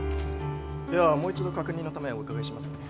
ではもう一度確認のためお伺いしますね。